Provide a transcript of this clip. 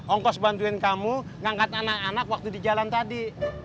ongkos bantuin kamu ngangkat anak anak waktu di jalan tadi